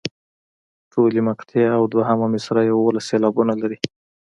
ټولې مقطعې او دوهمه مصرع یوولس سېلابونه لري.